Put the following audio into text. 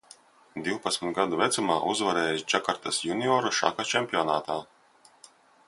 Divpadsmit gadu vecumā uzvarējis Džakartas junioru šaha čempionātā.